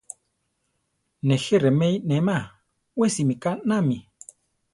Nejé remé inéma, we simíka naámi.